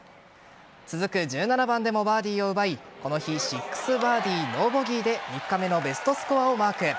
続く１７番でもバーディーを奪いこの日６バーディーノーボギーで３日目のベストスコアをマーク。